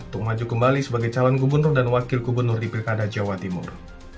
untuk maju kembali sebagai calon gubernur dan wakil gubernur di pilkada jawa timur